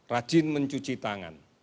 rajin mencuci tangan